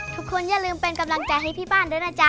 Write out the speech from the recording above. อย่าลืมเป็นกำลังใจให้พี่บ้านด้วยนะจ๊ะ